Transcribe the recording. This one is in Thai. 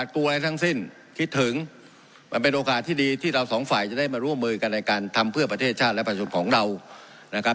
คิดถึงมันเป็นโอกาสที่ดีที่เราสองฝ่ายจะได้มาร่วมเมย์กันในการทำเพื่อประเทศชาติและประชุมของเรา